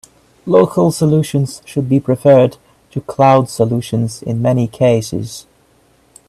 Local solutions should be preferred to cloud solutions in many cases.